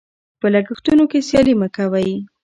په لګښتونو کې سیالي مه کوئ.